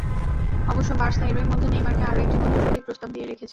অবশ্য বার্সা এরই মধ্যে নেইমারকে আরও একটি নতুন চুক্তির প্রস্তাব দিয়ে রেখেছে।